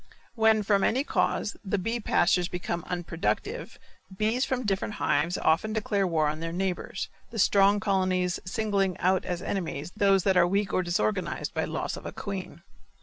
When, from any cause, the bee pastures become unproductive bees from different hives often declare war on their neighbors, the strong colonies singling out as enemies those that are weak or disorganized by the loss of a queen.